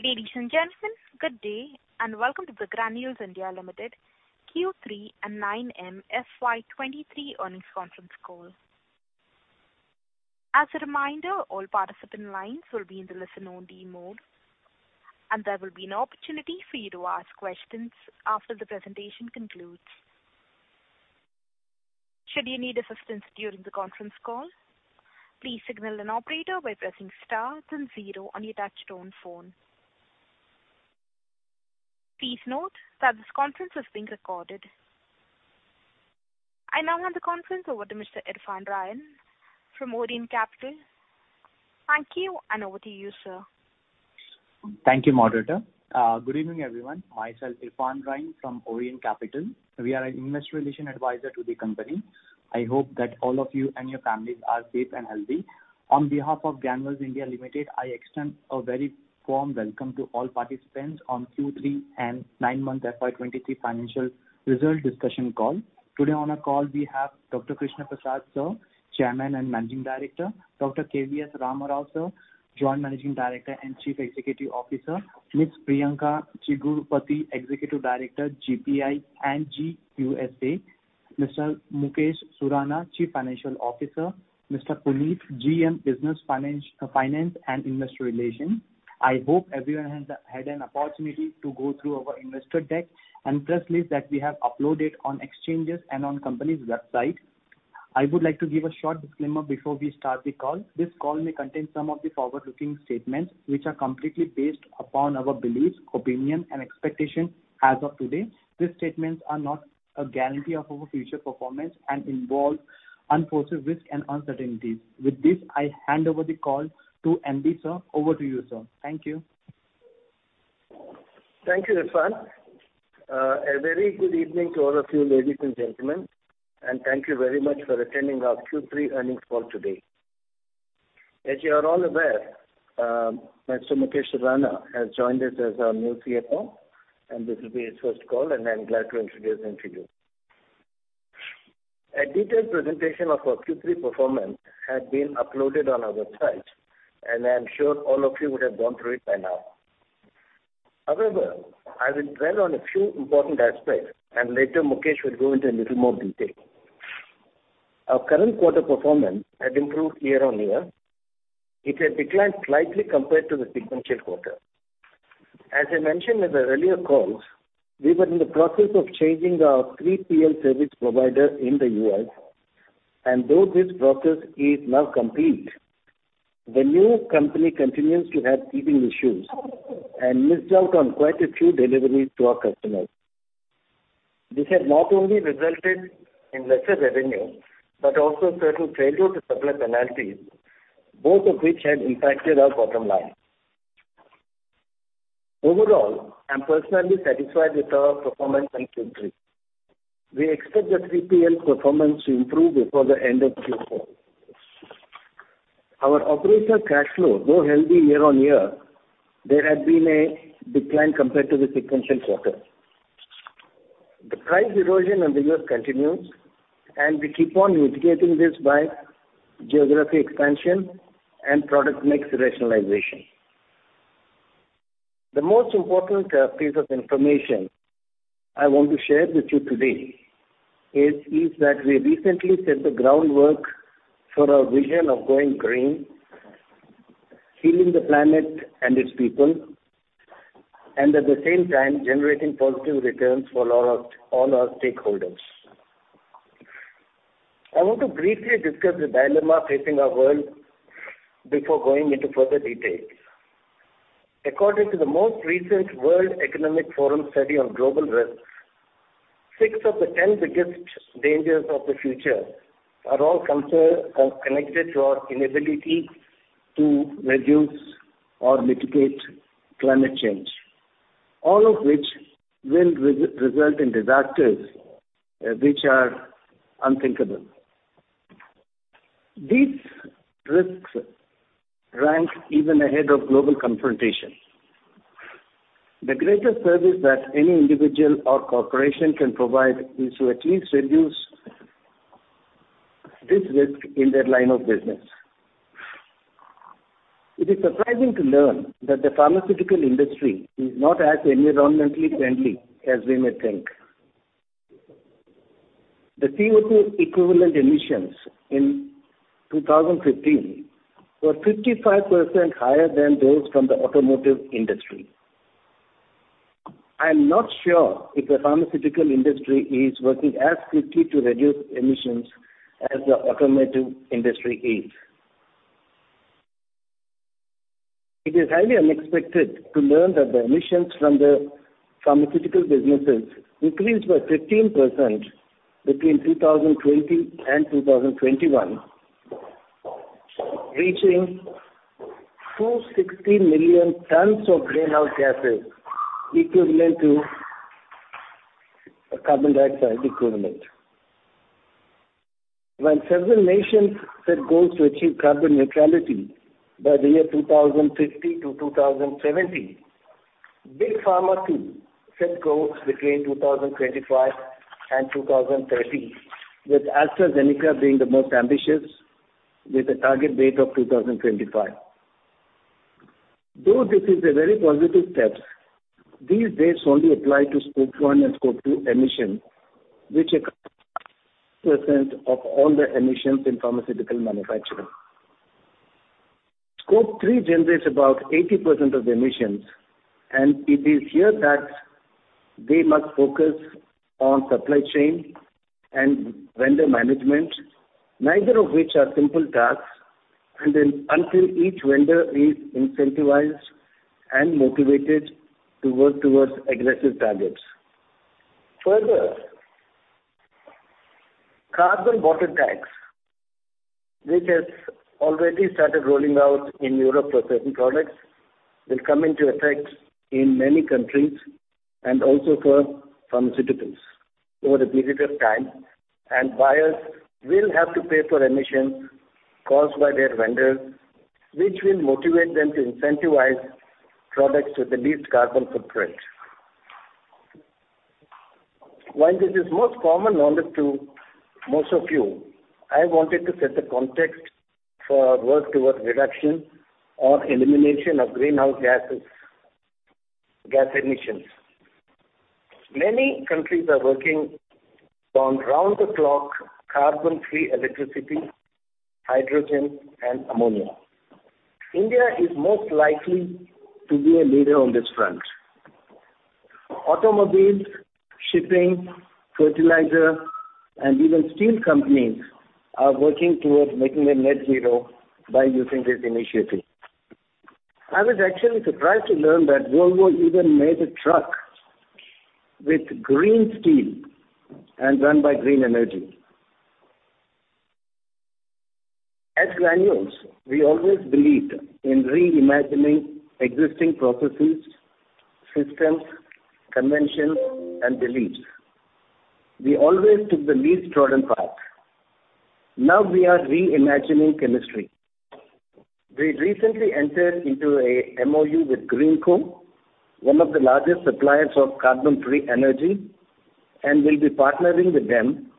Ladies and gentlemen, good day and welcome to the Granules India Limited Q3 and 9M FY 2023 earnings conference call. As a reminder, all participant lines will be in the listen only mode, and there will be an opportunity for you to ask questions after the presentation concludes. Should you need assistance during the conference call, please signal an operator by pressing star then zero on your touchtone phone. Please note that this conference is being recorded. I now hand the conference over to Mr. Irfan Raeen from Orient Capital. Thank you, and over to you, sir. Thank you, moderator. Good evening, everyone. Myself Irfan Raeen from Orient Capital. We are an investor relation advisor to the company. I hope that all of you and your families are safe and healthy. On behalf of Granules India Limited, I extend a very warm welcome to all participants on Q3 and nine-month FY 2023 financial result discussion call. Today on our call we have Dr. Krishna Prasad sir, Chairman and Managing Director, Dr. K.V.S. Ram Rao sir, Joint Managing Director and Chief Executive Officer, Ms. Priyanka Chigurupati, Executive Director, GPI and GUSA, Mr. Mukesh Surana, Chief Financial Officer, Mr. Puneet, GM, Business Finance and Investor Relations. I hope everyone has had an opportunity to go through our investor deck and press list that we have uploaded on exchanges and on company's website. I would like to give a short disclaimer before we start the call. This call may contain some of the forward-looking statements which are completely based upon our beliefs, opinion, and expectation as of today. These statements are not a guarantee of our future performance and involve unforeseen risks and uncertainties. With this, I hand over the call to MD sir. Over to you, sir. Thank you. Thank you, Irfan. A very good evening to all of you, ladies and gentlemen, and thank you very much for attending our Q3 earnings call today. As you are all aware, Mr. Mukesh Surana has joined us as our new CFO, and this will be his first call and I'm glad to introduce him to you. A detailed presentation of our Q3 performance has been uploaded on our website, and I am sure all of you would have gone through it by now. However, I will dwell on a few important aspects and later Mukesh will go into a little more detail. Our current quarter performance has improved year-on-year. It has declined slightly compared to the sequential quarter. As I mentioned in the earlier calls, we were in the process of changing our 3PL service provider in the U.S., and though this process is now complete, the new company continues to have teething issues and missed out on quite a few deliveries to our customers. This has not only resulted in lesser revenue, but also certain failure to supply penalties, both of which have impacted our bottom line. Overall, I'm personally satisfied with our performance in Q3. We expect the 3PL performance to improve before the end of Q4. Our operational cash flow, though healthy year-on-year, there has been a decline compared to the sequential quarter. The price erosion in the U.S. continues, and we keep on mitigating this by geographic expansion and product mix rationalization. The most important piece of information I want to share with you today is that we recently set the groundwork for our vision of going green, healing the planet and its people, and at the same time generating positive returns for all our stakeholders. I want to briefly discuss the dilemma facing our world before going into further detail. According to the most recent World Economic Forum study on global risks, six of the 10 biggest dangers of the future are all considered or connected to our inability to reduce or mitigate climate change, all of which will result in disasters which are unthinkable. These risks rank even ahead of global confrontation. The greatest service that any individual or corporation can provide is to at least reduce this risk in their line of business. It is surprising to learn that the pharmaceutical industry is not as environmentally friendly as we may think. The CO2 equivalent emissions in 2015 were 55% higher than those from the automotive industry. I'm not sure if the pharmaceutical industry is working as quickly to reduce emissions as the automotive industry is. It is highly unexpected to learn that the emissions from the pharmaceutical businesses increased by 13% between 2020 and 2021, reaching 260 million tons of greenhouse gases equivalent to a carbon dioxide equivalent. Several nations set goals to achieve carbon neutrality by the year 2050 to 2070, big pharma too set goals between 2025 and 2030, with AstraZeneca being the most ambitious with a target date of 2025. Though this is a very positive step, these dates only apply to Scope 1 and Scope 2 emissions, which account percent of all the emissions in pharmaceutical manufacturing. Scope 3 generates about 80% of the emissions. It is here that we must focus on supply chain and vendor management, neither of which are simple tasks until each vendor is incentivized and motivated to work towards aggressive targets. Carbon border tax, which has already started rolling out in Europe for certain products, will come into effect in many countries and also for pharmaceuticals over a period of time. Buyers will have to pay for emissions caused by their vendors, which will motivate them to incentivize products with the least carbon footprint. While this is most common knowledge to most of you, I wanted to set the context for work towards reduction or elimination of greenhouse gases, gas emissions. Many countries are working on round-the-clock carbon-free electricity, hydrogen, and ammonia. India is most likely to be a leader on this front. Automobiles, shipping, fertilizer, and even steel companies are working towards making them net zero by using this initiative. I was actually surprised to learn that Volvo even made a truck with green steel and run by green energy. At Granules, we always believed in reimagining existing processes, systems, conventions, and beliefs. We always took the least trodden path. Now we are reimagining chemistry. We recently entered into a MOU with Greenko, one of the largest suppliers of carbon-free energy, and will be partnering with them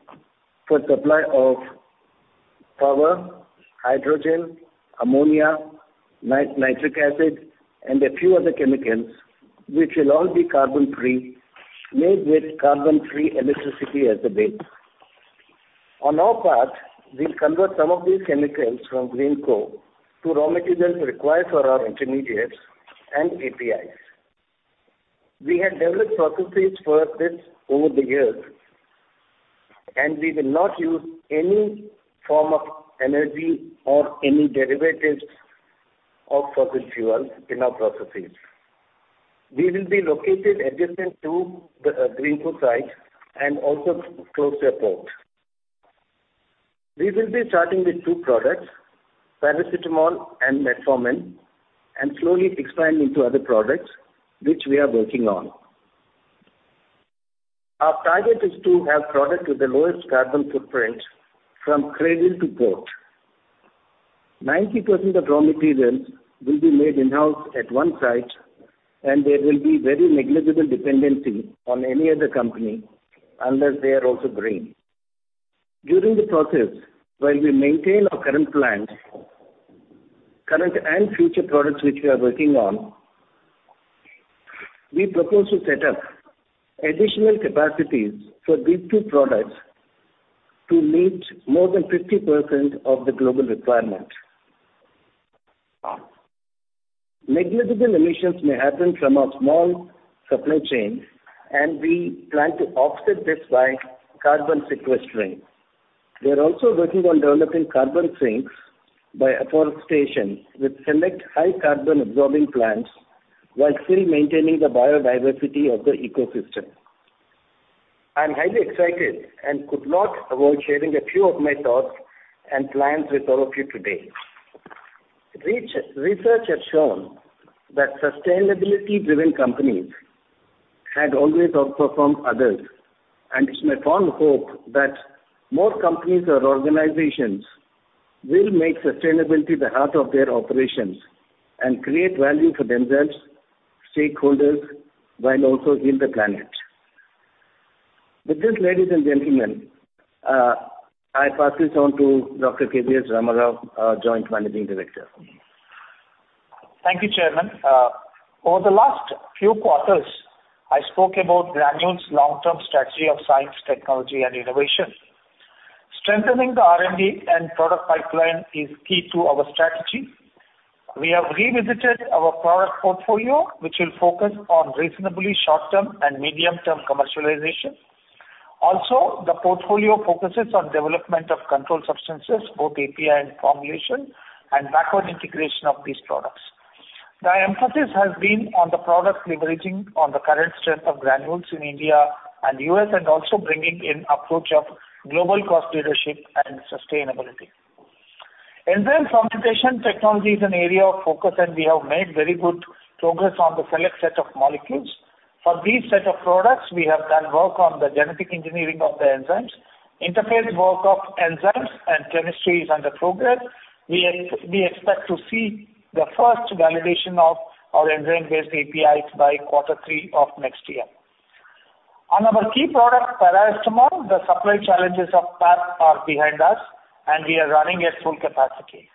for supply of power, hydrogen, ammonia, nitric acid, and a few other chemicals, which will all be carbon-free, made with carbon-free electricity as the base. On our part, we'll convert some of these chemicals from Greenko to raw materials required for our intermediates and APIs. We have developed processes for this over the years, and we will not use any form of energy or any derivatives of fossil fuels in our processes. We will be located adjacent to the Greenko site and also close to a port. We will be starting with two products, paracetamol and metformin, and slowly expand into other products which we are working on. Our target is to have product with the lowest carbon footprint from cradle to port. 90% of raw materials will be made in-house at one site, and there will be very negligible dependency on any other company unless they are also green. During the process, while we maintain our current plant, current and future products which we are working on, we propose to set up additional capacities for these two products to meet more than 50% of the global requirement. Negligible emissions may happen from our small supply chain, and we try to offset this by carbon sequestering. We are also working on developing carbon sinks by afforestation with select high carbon absorbing plants while still maintaining the biodiversity of the ecosystem. I'm highly excited and could not avoid sharing a few of my thoughts and plans with all of you today. Research has shown that sustainability-driven companies had always outperformed others, and it's my fond hope that more companies or organizations will make sustainability the heart of their operations and create value for themselves, stakeholders, while also heal the planet. With this, ladies and gentlemen, I pass this on to Dr. K.V.S. Rama Rao, our Joint Managing Director. Thank you, Chairman. Over the last few quarters, I spoke about Granules' long-term strategy of science, technology and innovation. Strengthening the R&D and product pipeline is key to our strategy. We have revisited our product portfolio, which will focus on reasonably short-term and medium-term commercialization. The portfolio focuses on development of controlled substances, both API and formulation, and backward integration of these products. The emphasis has been on the product leveraging on the current strength of Granules in India and U.S. and also bringing in approach of global cost leadership and sustainability. Enzyme fermentation technology is an area of focus, and we have made very good progress on the select set of molecules. For these set of products, we have done work on the genetic engineering of the enzymes. Interface work of enzymes and chemistry is under progress. We expect to see the first validation of our enzyme-based APIs by quarter three of next year. On our key product, paracetamol, the supply challenges of PAP are behind us, and we are running at full capacity.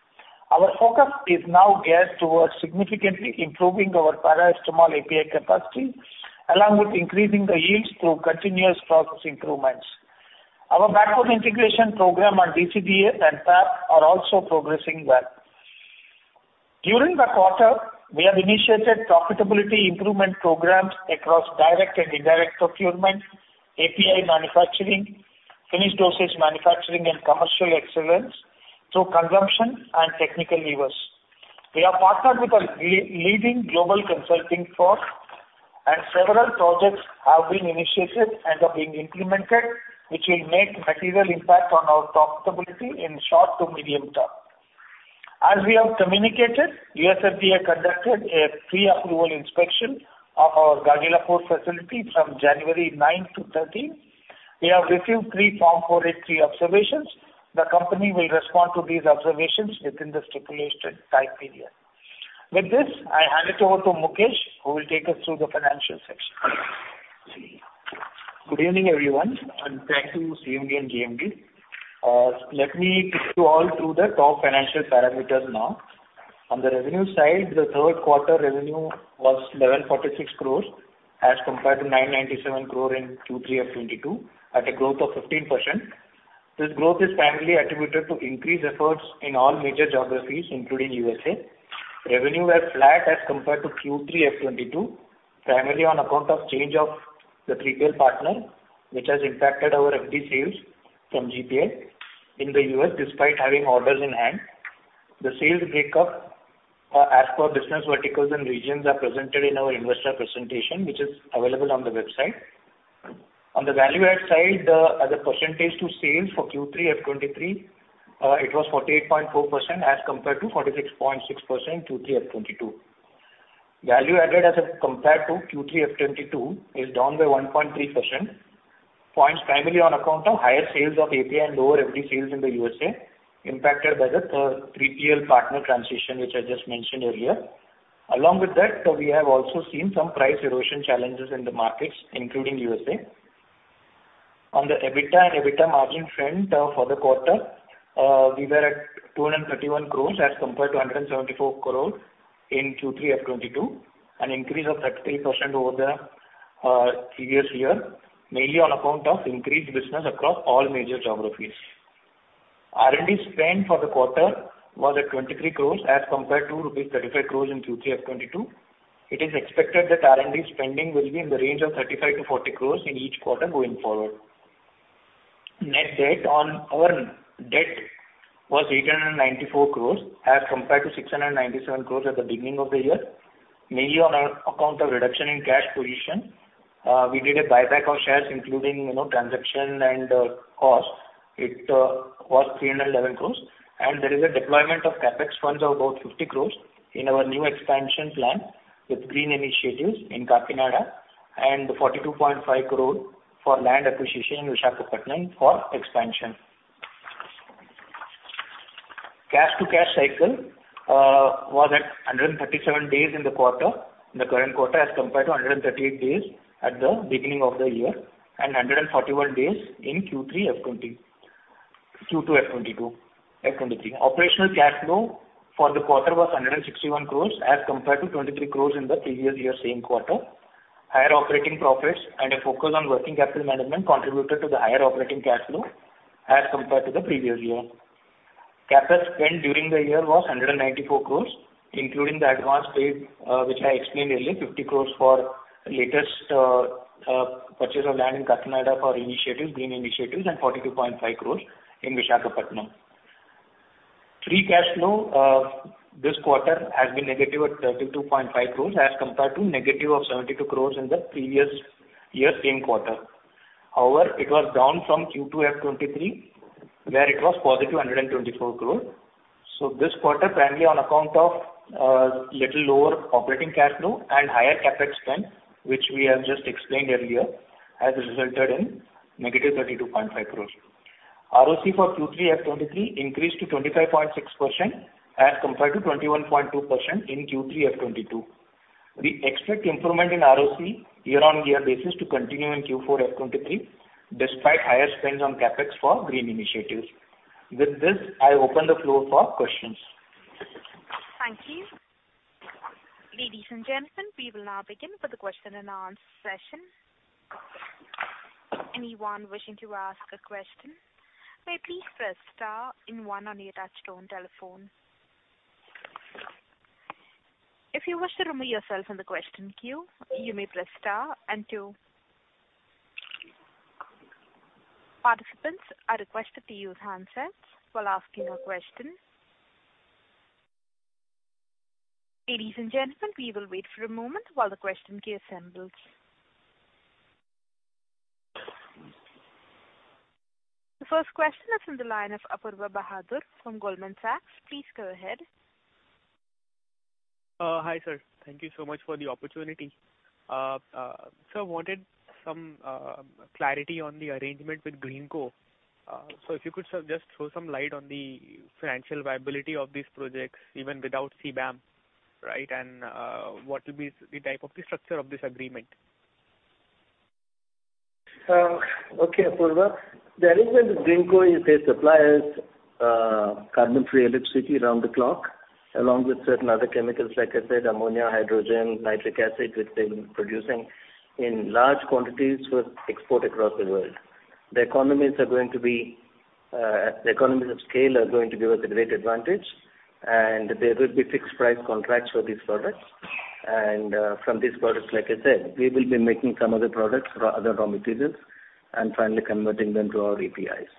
Our focus is now geared towards significantly improving our paracetamol API capacity, along with increasing the yields through continuous process improvements. Our backward integration program on DCBA and PAP are also progressing well. During the quarter, we have initiated profitability improvement programs across direct and indirect procurement, API manufacturing, Finished Dosages manufacturing, and commercial excellence through consumption and technical levers. We have partnered with a leading global consulting firm, and several projects have been initiated and are being implemented, which will make material impact on our profitability in short to medium term. As we have communicated, U.S. FDA conducted a pre-approval inspection of our Gagillapur facility from January 9 to 13. We have received pre-form for the three observations. The company will respond to these observations within the stipulated time period. With this, I hand it over to Mukesh who will take us through the financial section. Good evening, everyone, thank you, CMG and GMG. Let me take you all through the top financial parameters now. On the revenue side, the third quarter revenue was 1,146 crores as compared to 997 crore in Q3 of 2022, at a growth of 15%. This growth is primarily attributed to increased efforts in all major geographies, including USA. Revenue was flat as compared to Q3 of 2022, primarily on account of change of the three-tier partner, which has impacted our FD sales from GPI in the U.S., despite having orders in hand. The sales breakup, as per business verticals and regions, are presented in our investor presentation, which is available on the website. On the value add side, as a percentage to sales for Q3 of 2023, it was 48.4% as compared to 46.6% Q3 of 2022. Value added as of compared to Q3 of 2022 is down by 1.3%, points primarily on account of higher sales of API and lower FD sales in the USA, impacted by the three-tier partner transition, which I just mentioned earlier. Along with that, we have also seen some price erosion challenges in the markets, including USA. On the EBITDA and EBITDA margin front, for the quarter, we were at 231 crore as compared to 174 crore in Q3 of 2022, an increase of 30% over the previous year, mainly on account of increased business across all major geographies. R&D spend for the quarter was at 23 crores as compared to rupees 35 crores in Q3 of 2022. It is expected that R&D spending will be in the range of 35 crores-40 crores in each quarter going forward. Net debt our debt was 894 crores as compared to 697 crores at the beginning of the year, mainly on account of reduction in cash position. We did a buyback of shares, including, you know, transaction and cost. It was 311 crores, and there is a deployment of CapEx funds of about 50 crores in our new expansion plan with green initiatives in Kakinada and 42.5 crore for land acquisition in Visakhapatnam for expansion. Cash to cash cycle was at 137 days in the quarter, in the current quarter, as compared to 138 days at the beginning of the year and 141 days in Q2 F 2022, F 2023. Operational cash flow for the quarter was 161 crores as compared to 23 crores in the previous year same quarter. Higher operating profits and a focus on working capital management contributed to the higher operating cash flow as compared to the previous year. CapEx spend during the year was 194 crores, including the advance paid, which I explained earlier, 50 crores for latest purchase of land in Kakinada for initiatives, green initiatives, and 42.5 crores in Visakhapatnam. Free cash flow this quarter has been negative at 32.5 crore as compared to negative of 72 crore in the previous year same quarter. It was down from Q2 F 2023, where it was positive 124 crore. This quarter, primarily on account of little lower operating cash flow and higher CapEx spend, which we have just explained earlier, has resulted in negative 32.5 crore. ROC for Q3 F 2023 increased to 25.6% as compared to 21.2% in Q3 F 2022. We expect improvement in ROC year-on-year basis to continue in Q4 F 2023, despite higher spends on CapEx for green initiatives. With this, I open the floor for questions. Thank you. Ladies and gentlemen, we will now begin with the question and answer session. Anyone wishing to ask a question may please press star one on your touchtone telephone. If you wish to remove yourself from the question queue, you may press star two. Participants are requested to use handsets while asking a question. Ladies and gentlemen, we will wait for a moment while the question queue assembles. The first question is from the line of Apurva Bahadur from Goldman Sachs. Please go ahead. Hi, sir. Thank you so much for the opportunity. Sir, wanted some clarity on the arrangement with Greenko. If you could, sir, just throw some light on the financial viability of these projects, even without CBAM, right, what will be the type of the structure of this agreement? Okay, Apurva. The arrangement with Greenko is they supply us, carbon-free electricity around the clock, along with certain other chemicals, like I said, ammonia, hydrogen, nitric acid, which they've been producing in large quantities for export across the world. The economies of scale are going to give us a great advantage, and there will be fixed price contracts for these products. From these products, like I said, we will be making some other products, other raw materials, and finally converting them to our APIs.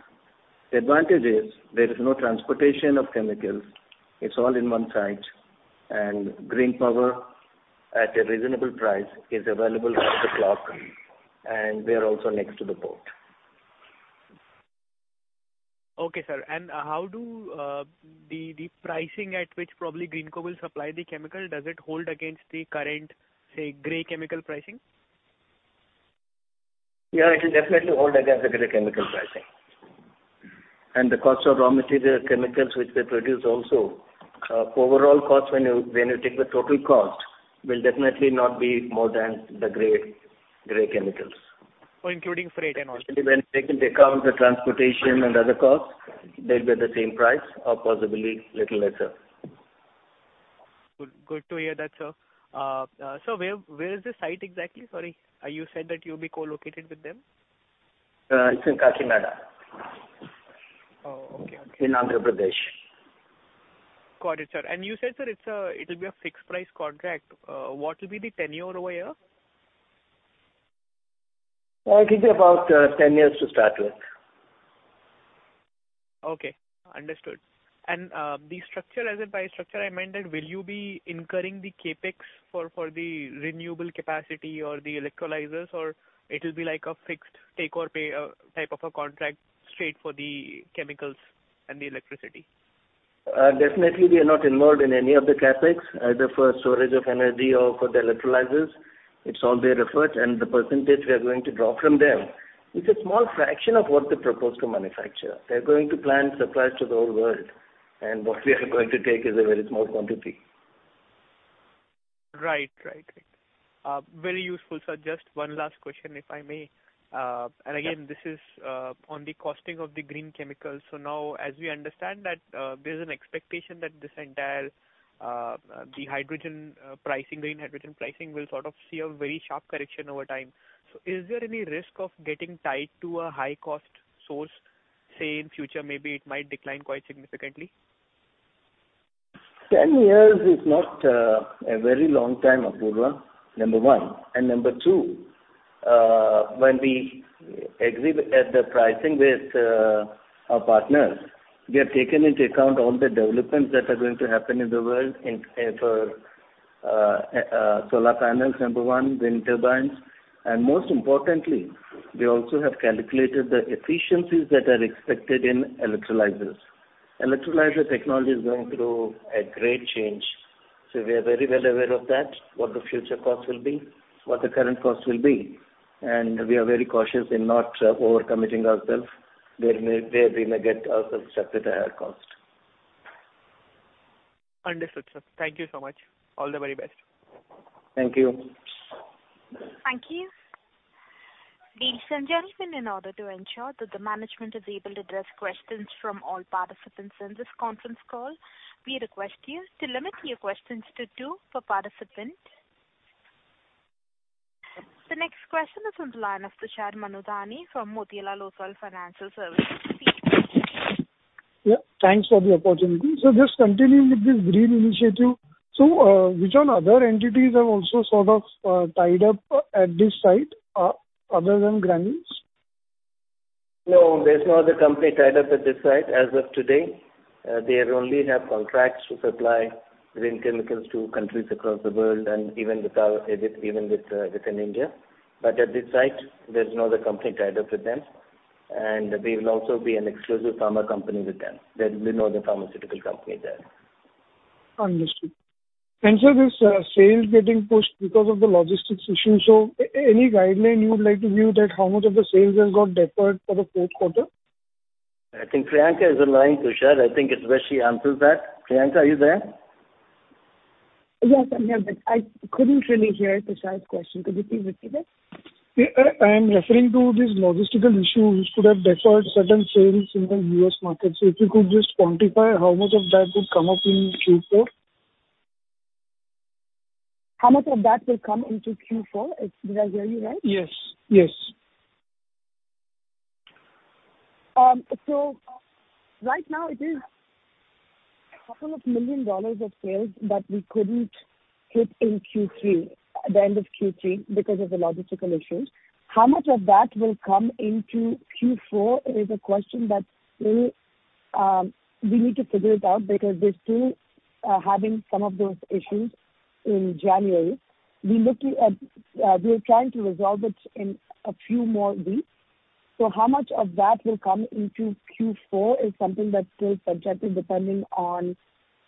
The advantage is there is no transportation of chemicals. It's all in one site, and green power at a reasonable price is available around the clock, and we are also next to the port. Okay, sir. How do the pricing at which probably Greenko will supply the chemical, does it hold against the current, say, gray chemical pricing? Yeah, it'll definitely hold against the gray chemical pricing. The cost of raw material chemicals which they produce also, overall cost when you take the total cost, will definitely not be more than the gray chemicals. Oh, including freight and all, sir? When they can account the transportation and other costs, they'll be the same price or possibly little lesser. Good to hear that, sir. sir, where is the site exactly? Sorry. you said that you'll be co-located with them. It's in Kakinada. Oh, okay. Okay. In Andhra Pradesh. Got it, sir. You said, sir, it's, it'll be a fixed price contract. What will be the tenure over here? I think about, 10 years to start with. Okay. Understood. The structure, as in by structure I meant that will you be incurring the CapEx for the renewable capacity or the electrolyzers, or it'll be like a fixed take or pay type of a contract straight for the chemicals and the electricity? Definitely we are not involved in any of the CapEx, either for storage of energy or for the electrolyzers. It's all their effort, and the percentage we are going to draw from them is a small fraction of what they propose to manufacture. They're going to plan supply to the whole world, and what we are going to take is a very small quantity. Right. Right. Right. very useful, sir. Just one last question, if I may. Yeah. This is on the costing of the green chemicals. As we understand that, there's an expectation that this entire the hydrogen pricing, green hydrogen pricing will sort of see a very sharp correction over time. Is there any risk of getting tied to a high cost source, say, in future maybe it might decline quite significantly? 10 years is not a very long time, Apurva, number one. Number two, when we agree at the pricing with our partners, we have taken into account all the developments that are going to happen in the world for solar panels, number 1, wind turbines. Most importantly, we also have calculated the efficiencies that are expected in electrolyzers. Electrolyzer technology is going through a great change, so we are very well aware of that, what the future cost will be, what the current cost will be, and we are very cautious in not over-committing ourself where we may get ourself stuck with a higher cost. Understood, sir. Thank you so much. All the very best. Thank you. Thank you. Ladies and gentlemen, in order to ensure that the management is able to address questions from all participants in this conference call, we request you to limit your questions to two per participant. The next question is from the line of Tushar Manudhane from Motilal Oswal Financial Services. Yeah, thanks for the opportunity. Just continuing with this green initiative, which other entities have also sort of tied up at this site, other than Granules? There's no other company tied up at this site as of today. They only have contracts to supply green chemicals to countries across the world and even with, within India. At this site, there's no other company tied up with them, and we will also be an exclusive pharma company with them. There's been no other pharmaceutical company there. Understood. Sir, this sales getting pushed because of the logistics issue, any guideline you would like to give that how much of the sales has got deferred for the fourth quarter? I think Priyanka is on the line, Tushar. I think it's best she answers that. Priyanka, are you there? Yes, I'm here. I couldn't really hear Tushar's question. Could you please repeat it? Yeah. I'm referring to these logistical issues could have deferred certain sales in the U.S. market. If you could just quantify how much of that would come up in Q4? How much of that will come into Q4? Did I hear you right? Yes. Yes. Right now it is $2 million of sales that we couldn't hit in Q3, at the end of Q3, because of the logistical issues. How much of that will come into Q4 is a question that we need to figure it out because we're still having some of those issues in January. We are trying to resolve it in a few more weeks. How much of that will come into Q4 is something that's still subjected depending on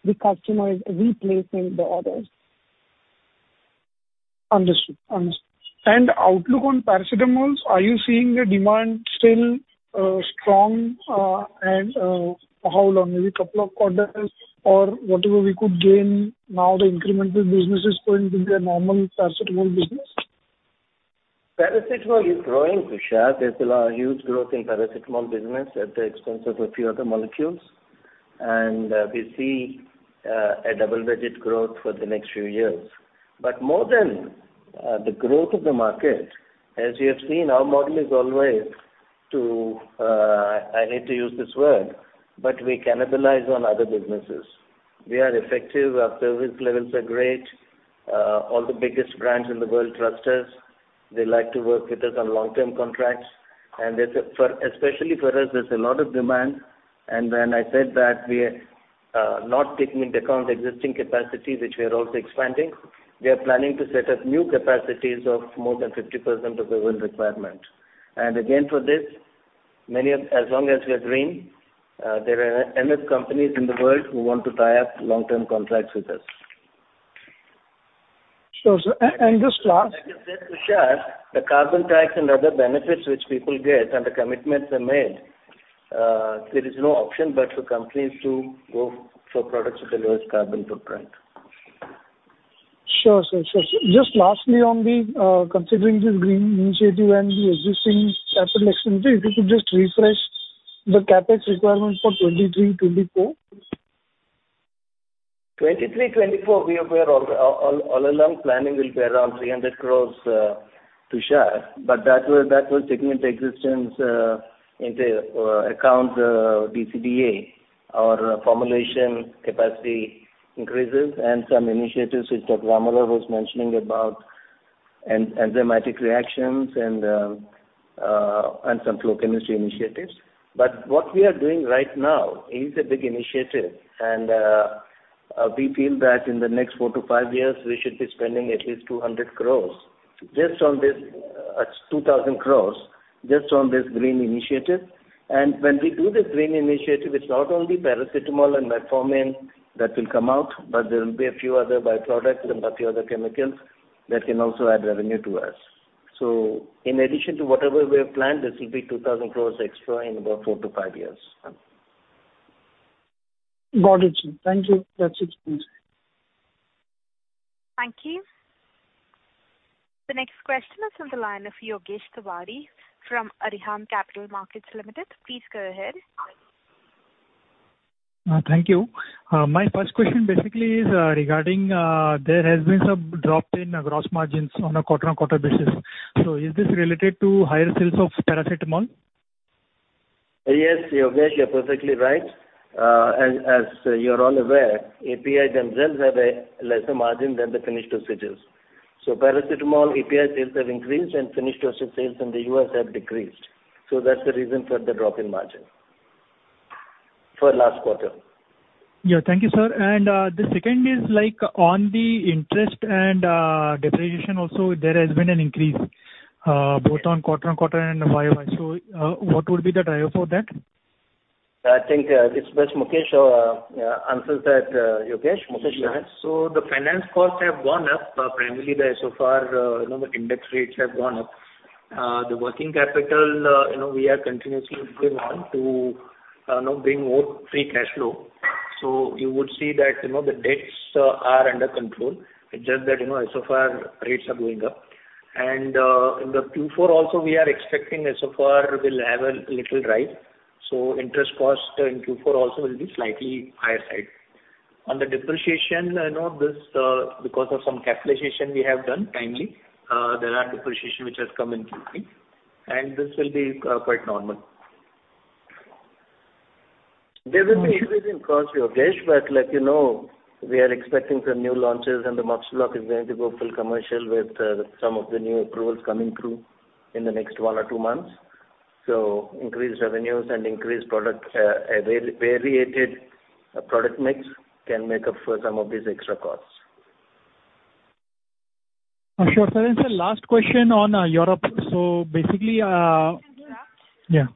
the customers replacing the orders. Understood, understood. Outlook on Paracetamols, are you seeing the demand still strong and for how long? Maybe couple of quarters or whatever we could gain now the incremental business is going to be a normal Paracetamol business? Paracetamol is growing, Tushar. There's a lot of huge growth in Paracetamol business at the expense of a few other molecules. We see a double-digit growth for the next few years. More than the growth of the market, as you have seen, our model is always to, I need to use this word, but we cannibalize on other businesses. We are effective. Our service levels are great. All the biggest brands in the world trust us. They like to work with us on long-term contracts. There's For, especially for us, there's a lot of demand. When I said that we're not taking into account existing capacity, which we are also expanding, we are planning to set up new capacities of more than 50% of the world requirement. Again, for this, many of...as long as we are green, there are enough companies in the world who want to tie up long-term contracts with us. Sure, sir. Just last... Like I said, Tushar, the carbon tax and other benefits which people get and the commitments are made, there is no option but for companies to go for products with the lowest carbon footprint. Sure, sure. Just lastly on the, considering this green initiative and the existing capital expenditure, if you could just refresh the CapEx requirements for 2023, 2024? 2023, 2024, we are aware all along planning will be around 300 crores, Tushar. That will take into existence, into account DCBA. Our formulation capacity increases and some initiatives which Dr. Ram Rao was mentioning about, enzymatic reactions and some flow chemistry initiatives. What we are doing right now is a big initiative. We feel that in the next four-five years, we should be spending at least 200 crores just on this, 2,000 crores just on this green initiative. When we do this green initiative, it's not only paracetamol and metformin that will come out, but there will be a few other by-products and a few other chemicals that can also add revenue to us. In addition to whatever we have planned, this will be 2,000 crores extra in about four-five years. Got it. Thank you. That's it from me. Thank you. The next question is on the line of Yogesh Tiwari from Arihant Capital Markets Limited. Please go ahead. Thank you. My first question basically is regarding, there has been some drop in gross margins on a quarter-on-quarter basis. Is this related to higher sales of Paracetamol? Yes, Yogesh, you're perfectly right. As you're all aware, API themselves have a lesser margin than the finished dosages. Paracetamol API sales have increased and finished dosage sales in the U.S. have decreased. That's the reason for the drop in margin for last quarter. Yeah. Thank you, sir. The second is like on the interest and depreciation also, there has been an increase both on quarter-over-quarter and year-over-year. What would be the driver for that? I think, it's best Mukesh answers that, Yogesh. Mukesh, go ahead. Yeah. The finance costs have gone up, primarily the SOFR, you know, the index rates have gone up. The working capital, you know, we are continuously moving on to now bring more free cash flow. You would see that, you know, the debts are under control. It's just that, you know, SOFR rates are going up. In the Q4 also we are expecting SOFR will have a little rise, so interest cost in Q4 also will be slightly higher side. On the depreciation, you know, this because of some capitalization we have done timely, there are depreciation which has come in Q3, and this will be quite normal. There will be increase in cost, Yogesh, but like you know, we are expecting some new launches and the Moxifloxacin is going to go full commercial with some of the new approvals coming through in the next one or two months. Increased revenues and increased product, a variated product mix can make up for some of these extra costs. I'm sure. Sir, sir, last question on Europe. Basically, Yogesh Tiwari. Yeah.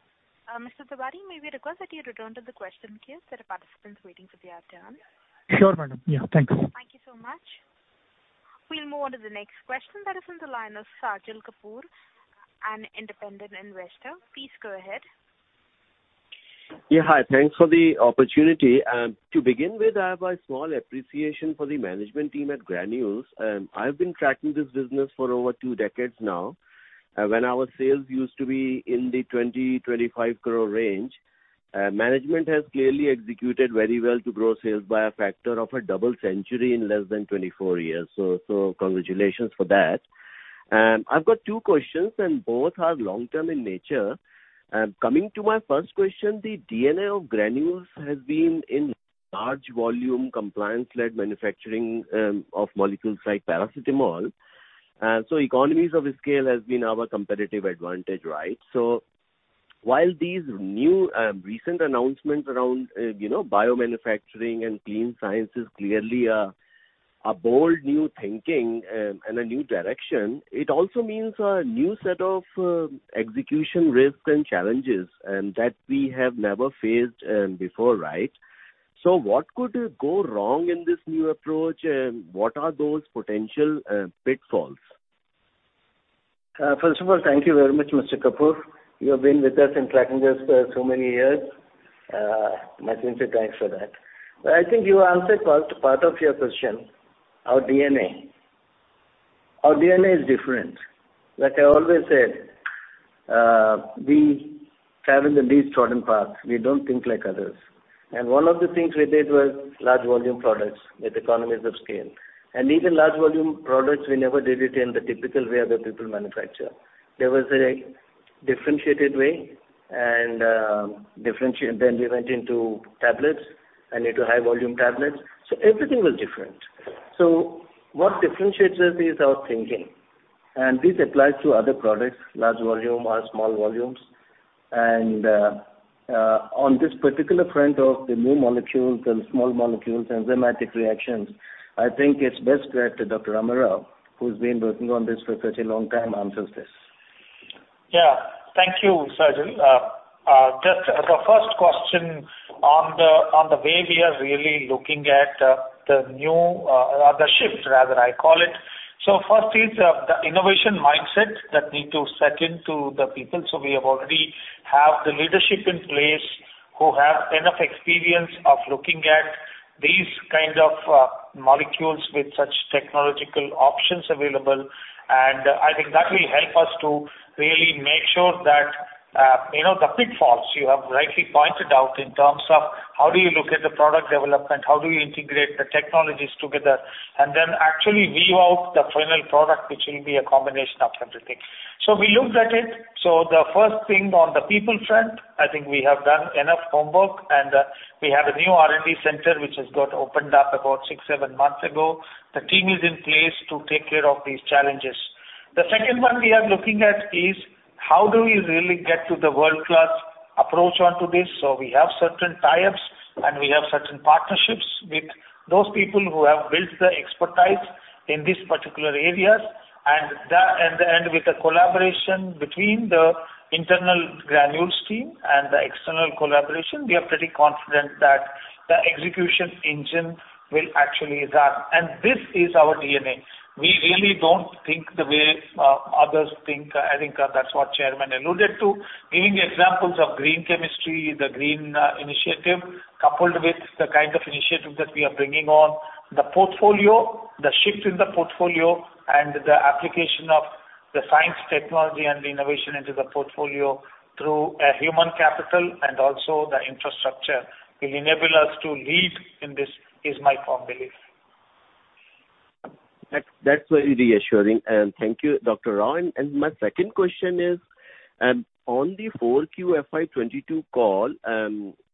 Mr. Tiwari, may we request that you return to the question queue? There are participants waiting for their turn. Sure, madam. Yeah, thanks. Thank you so much. We'll move on to the next question that is on the line of Sajal Kapoor, an independent investor. Please go ahead. Yeah. Hi. Thanks for the opportunity. to begin with, I have a small appreciation for the management team at Granules. I've been tracking this business for over two decades now. when our sales used to be in the 20-25 crore range, management has clearly executed very well to grow sales by a factor of a 200 in less than 24 years. Congratulations for that. I've got two questions, and both are long-term in nature. Coming to my first question, the DNA of Granules has been in large volume, compliance-led manufacturing, of molecules like paracetamol. so economies of scale has been our competitive advantage, right? While these new, recent announcements around, you know, biomanufacturing and clean science is clearly a bold new thinking, and a new direction, it also means a new set of execution risks and challenges that we have never faced before, right? What could go wrong in this new approach, and what are those potential pitfalls? First of all, thank you very much, Mr. Kapoor. You have been with us and tracking us for so many years. My sincere thanks for that. I think you answered part of your question, our DNA. Our DNA is different. Like I always said, we travel the least trodden path. We don't think like others. One of the things we did was large volume products with economies of scale. Even large volume products, we never did it in the typical way other people manufacture. There was a differentiated way. Then we went into tablets and into high volume tablets. Everything was different. What differentiates us is our thinking, and this applies to other products, large volume or small volumes. On this particular front of the new molecules and small molecules, enzymatic reactions, I think it's best where Dr. Ram Rao, who's been working on this for such a long time, answers this. Yeah. Thank you, Sajal. Just the first question on the way we are really looking at the new, or the shift rather I call it. First is the innovation mindset that need to set into the people. We have already have the leadership in place who have enough experience of looking at these kind of molecules with such technological options available. I think that will help us to really make sure that, you know, the pitfalls you have rightly pointed out in terms of how do you look at the product development, how do you integrate the technologies together, and then actually view out the final product, which will be a combination of everything. We looked at it. The first thing on the people front, I think we have done enough homework, and we have a new R&D center which has got opened up about six, seven months ago. The team is in place to take care of these challenges. The second one we are looking at is how do we really get to the world-class approach onto this? We have certain tie-ups, and we have certain partnerships with those people who have built the expertise in these particular areas. The, and with the collaboration between the internal Granules team and the external collaboration, we are pretty confident that the execution engine will actually run. This is our DNA. We really don't think the way others think. I think that's what Chairman alluded to. Giving examples of green chemistry, the green initiative, coupled with the kind of initiative that we are bringing on the portfolio, the shift in the portfolio and the application of the science, technology and the innovation into the portfolio through a human capital and also the infrastructure will enable us to lead in this, is my firm belief. That's very reassuring. Thank you, Dr. Rao. My second question is on the 4Q FY 2022 call,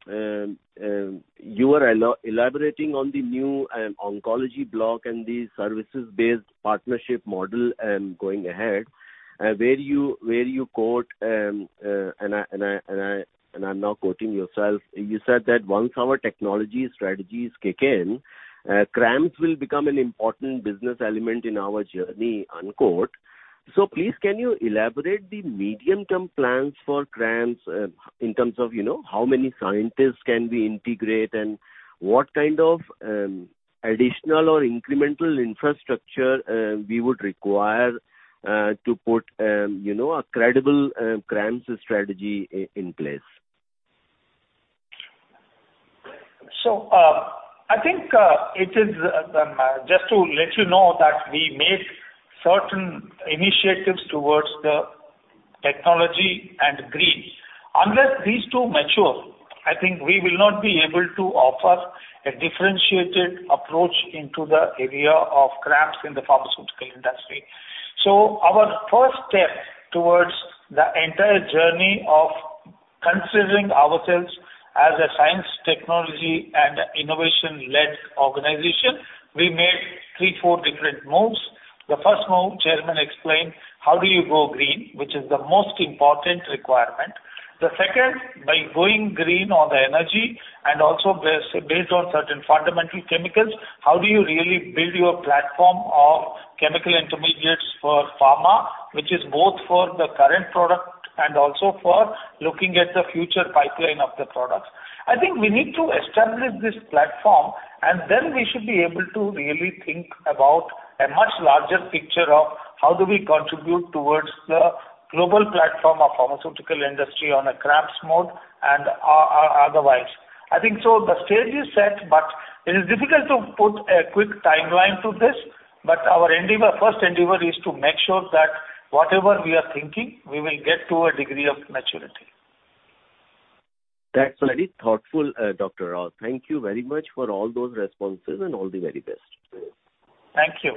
you were elaborating on the new oncology block and the services-based partnership model going ahead, where you, where you quote, and I'm now quoting yourself. You said that "Once our technology strategies kick in, CRAMS will become an important business element in our journey." Please, can you elaborate the medium-term plans for CRAMS in terms of, you know, how many scientists can we integrate and what kind of additional or incremental infrastructure we would require to put, you know, a credible CRAMS strategy in place? I think, it is, just to let you know that we made certain initiatives towards the technology and green. Unless these two mature, I think we will not be able to offer a differentiated approach into the area of CRAMS in the pharmaceutical industry. Our first step towards the entire journey of considering ourselves as a science, technology and innovation-led organization, we made three, four different moves. The first move, Chairman explained, how do you go green, which is the most important requirement. The second, by going green on the energy and also based on certain fundamental chemicals, how do you really build your platform of chemical intermediates for pharma, which is both for the current product and also for looking at the future pipeline of the products. I think we need to establish this platform, and then we should be able to really think about a much larger picture of how do we contribute towards the global platform of pharmaceutical industry on a CRAMS mode and otherwise. I think so the stage is set, but it is difficult to put a quick timeline to this. Our endeavor, first endeavor is to make sure that whatever we are thinking, we will get to a degree of maturity. That's very thoughtful, Dr. Rao. Thank you very much for all those responses and all the very best. Thank you.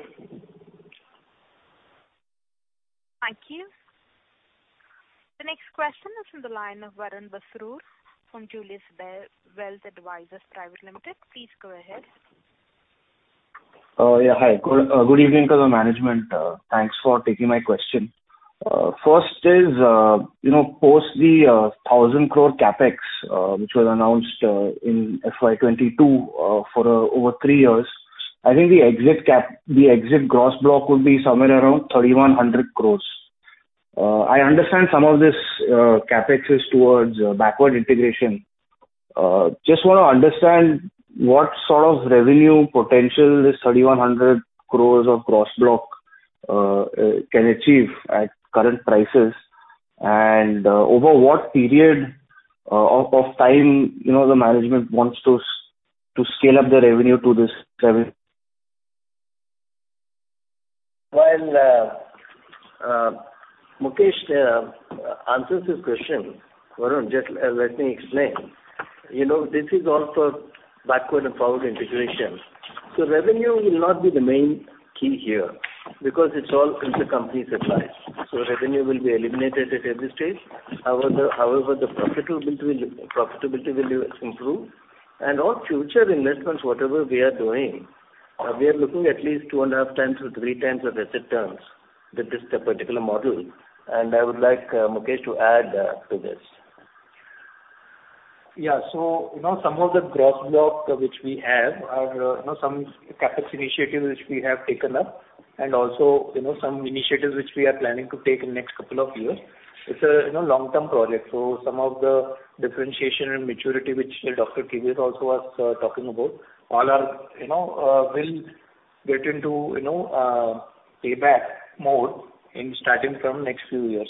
Thank you. The next question is from the line of Varun Basrur from Julius Baer Wealth Advisors Private Limited. Please go ahead. Good evening to the management. Thanks for taking my question. First is, you know, post the 1,000 crore CapEx, which was announced in FY 2022 for over three years. I think the exit gross block would be somewhere around 3,100 crores. I understand some of this CapEx is towards backward integration. Just want to understand what sort of revenue potential this 3,100 crores of gross block can achieve at current prices, and over what period of time, you know, the management wants to scale up the revenue to this level. While Mukesh answers this question, Varun, just let me explain. You know, this is all for backward and forward integration. Revenue will not be the main key here because it's all intercompany supplies. Revenue will be eliminated at every stage. However, the profitability will improve. All future investments, whatever we are doing, we are looking at least 2.5x to 3x of asset turns with this particular model. I would like Mukesh to add to this. You know, some of the gross block which we have are, you know, some CapEx initiatives which we have taken up and also, you know, some initiatives which we are planning to take in next couple of years. It's a, you know, long-term project. Some of the differentiation and maturity which Dr. Dr. K.V.S. also was talking about all are, you know, will get into, you know, payback mode in starting from next few years.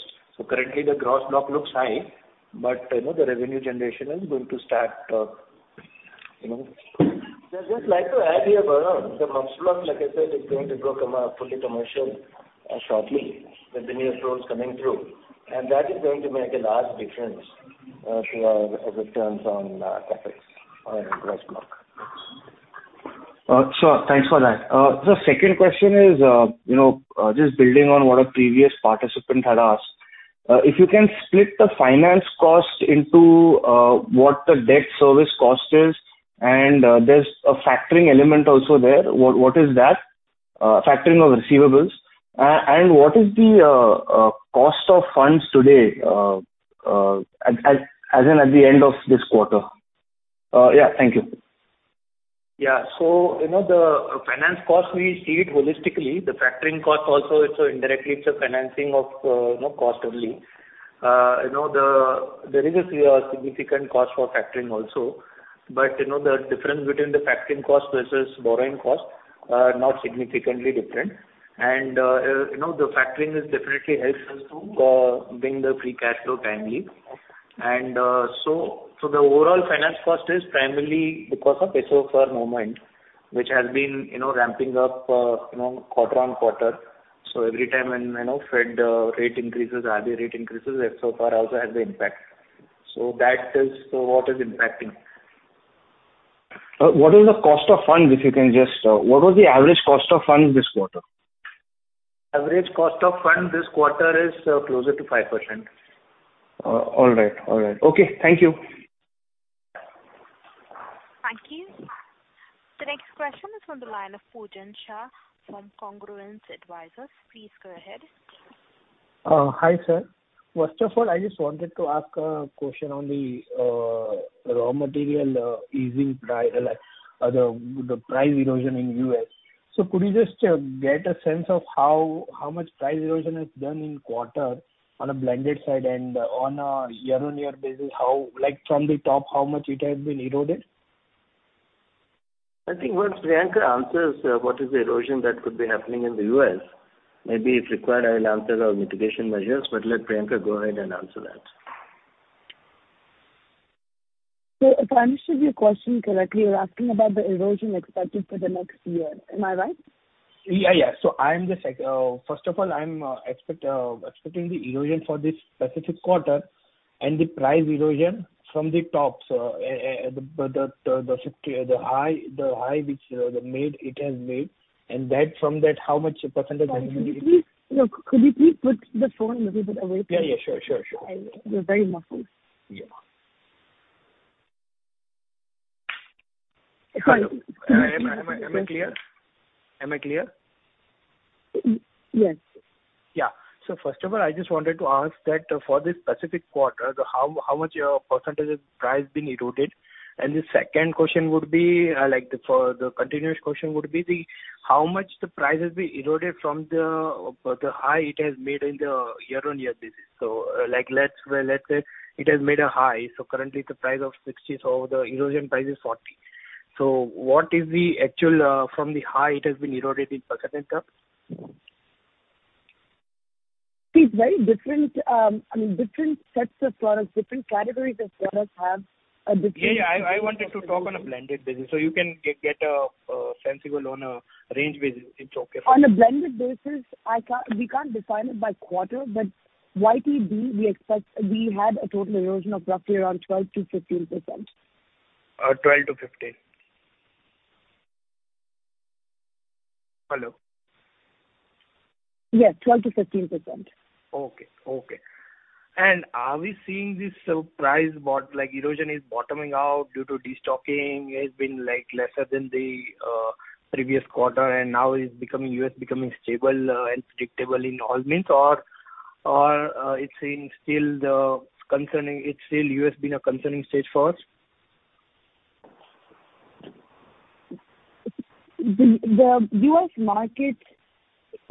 Currently the gross block looks high, but, you know, the revenue generation is going to start, you know. I'd just like to add here, Varun, the max block, like I said, is going to go fully commercial, shortly with the new flows coming through. That is going to make a large difference to our returns on CapEx on gross block. Sure. Thanks for that. The second question is, you know, just building on what a previous participant had asked, if you can split the finance cost into what the debt service cost is, and there's a factoring element also there. What is that? Factoring of receivables. What is the cost of funds today as in at the end of this quarter? Yeah. Thank you. Yeah. So, you know, the finance cost, we see it holistically. The factoring cost also it's indirectly it's a financing of, you know, cost only. You know, there is a significant cost for factoring also, but, you know, the difference between the factoring cost versus borrowing costs are not significantly different. You know, the factoring definitely helps us to bring the free cash flow timely. So, the overall finance cost is primarily because of SOFR movement, which has been, you know, ramping up, you know, quarter on quarter. Every time when, you know, Fed rate increases, RBI rate increases, SOFR also has the impact. That is what is impacting. What is the cost of funds? What was the average cost of funds this quarter? Average cost of fund this quarter is closer to 5%. All right. All right. Okay. Thank you. Thank you. The next question is on the line of Pujan Shah from Congruence Advisers. Please go ahead. Hi, sir. First of all, I just wanted to ask a question on the raw material easing or the price erosion in U.S. Could you just get a sense of how much price erosion has been in quarter on a blended side and on a year-on-year basis, how, like from the top, how much it has been eroded? I think once Priyanka answers, what is the erosion that could be happening in the U.S., maybe if required, I will answer our mitigation measures, but let Priyanka go ahead and answer that. If I understood your question correctly, you're asking about the erosion expected for the next year. Am I right? Yeah, yeah. I'm just like, first of all, I'm expecting the erosion for this specific quarter and the price erosion from the top. The 50, the high which made, it has made, and that from that how much percentage? Could you please, you know, put the phone a little bit away from you? Yeah, yeah. Sure, sure. You're very muffled. Yeah. Hello. Am I clear? Am I clear? Yes. Yeah. First of all, I just wanted to ask that for this specific quarter, how much your percentage of price been eroded? The second question would be, like the for the continuous question would be how much the price has been eroded from the high it has made in the year-on-year basis. Like, let's say it has made a high, currently the price of 60, the erosion price is 40. What is the actual, from the high it has been eroded in percentage terms? It's very different, I mean different sets of products, different categories of products have a different- Yeah, yeah. I wanted to talk on a blended basis. You can get a sensible on a range basis. It's okay for me. On a blended basis, we can't define it by quarter, YTD we expect we had a total erosion of roughly around 12%-15%. 12%-15%. Hello? Yes, 12%-15%. Okay. Okay. Are we seeing this price like erosion is bottoming out due to destocking? It's been like lesser than the previous quarter and now it's becoming U.S. stable and predictable in all means or it's still U.S. being a concerning state for us? The U.S. market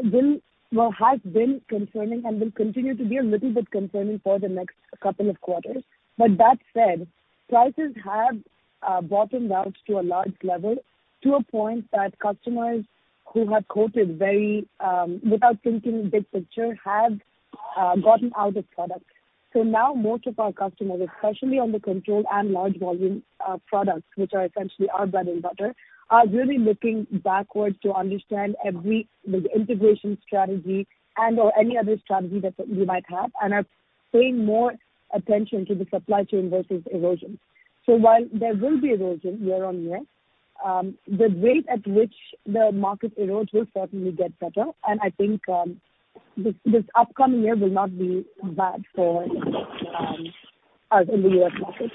has been concerning and will continue to be a little bit concerning for the next couple of quarters. That said, prices have bottomed out to a large level, to a point that customers who have quoted very without thinking big picture have gotten out of products. Now most of our customers, especially on the controlled and large volume products, which are essentially our bread and butter, are really looking backwards to understand the integration strategy and or any other strategy that we might have and are paying more attention to the supply chain versus erosion. While there will be erosion year-on-year, the rate at which the market erodes will certainly get better. I think this upcoming year will not be bad for us in the U.S. market.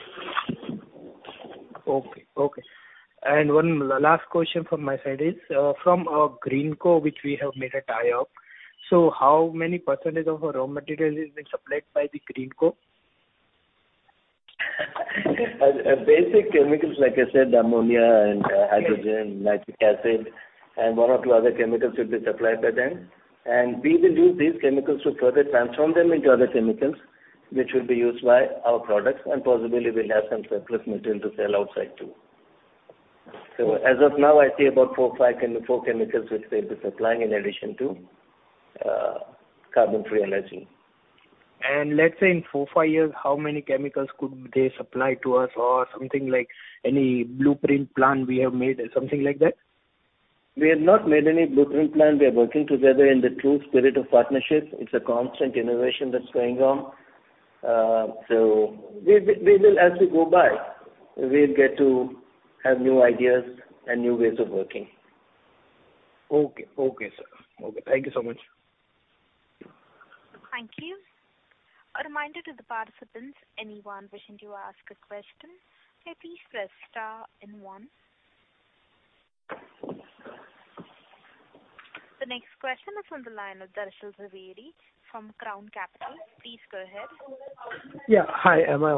Okay. Okay. 1 last question from my side is from Greenko, which we have made a tie-up. How many percentage of our raw material is being supplied by Greenko? Basic chemicals, like I said, ammonia and hydrogen, nitric acid, and one or two other chemicals will be supplied by them. We will use these chemicals to further transform them into other chemicals, which will be used by our products and possibly we'll have some surplus material to sell outside too. As of now, I see about four chemicals which they'll be supplying in addition to carbon-free energy. Let's say in four, five years, how many chemicals could they supply to us or something like any blueprint plan we have made or something like that? We have not made any blueprint plan. We are working together in the true spirit of partnership. It's a constant innovation that's going on. We will as we go by, we'll get to have new ideas and new ways of working. Okay. Okay, sir. Okay, thank you so much. Thank you. A reminder to the participants, anyone wishing to ask a question, may please press star and one. The next question is on the line with Darshil Jhaveri from Crown Capital. Please go ahead. Yeah. Hi, am I